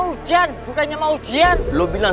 ujian bukannya mau ujian lu bilang